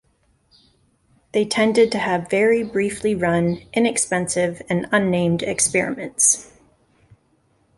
They tended to have very briefly run, inexpensive, and unnamed experiments.